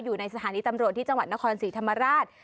อยู่ในสถานีตำรวจที่จนธศรีฐรมาราช